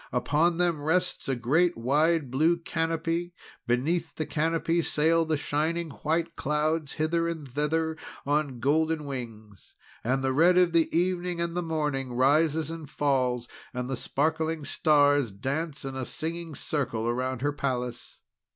Upon them rests a great, wide blue canopy. Beneath the canopy sail the shining white clouds, hither and thither on golden wings. And the red of the evening and the morning rises and falls, and the sparkling stars dance in a singing circle around her palace.